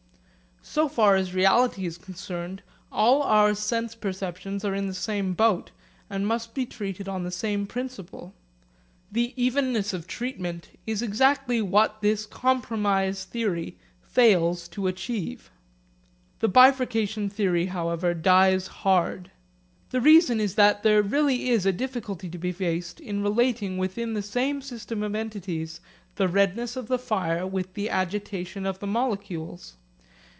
So far as reality is concerned all our sense perceptions are in the same boat, and must be treated on the same principle. The evenness of treatment is exactly what this compromise theory fails to achieve. The bifurcation theory however dies hard. The reason is that there really is a difficulty to be faced in relating within the same system of entities the redness of the fire with the agitation of the molecules.